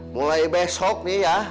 mulai besok nih ya